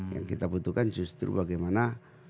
yang kita butuhkan justru bagaimana